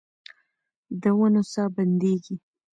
د ونو ساه بندیږې